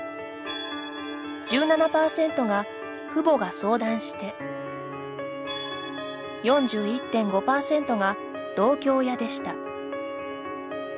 １７％が「父母が相談して」４１．５％が「同居親」でした。